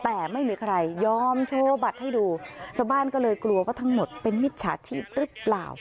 แต่ไม่มีใครยอมโชว์บัตรให้ดูชาวบ้านก็เลยกลัวว่าทั้งหมดเป็นมิจฉาชีพหรือเปล่า